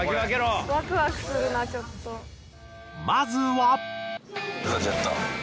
まずは。